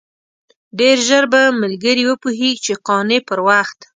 ډېر ژر به ملګري وپوهېږي چې قانع پر وخت.